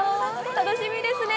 楽しみですね。